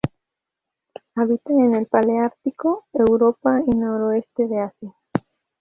Habita en el paleártico: Europa y noroeste de Asia.